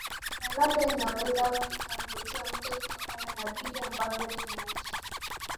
na labda inaweza ikamvutia mtu kutokana na vile ambavyo tunaishi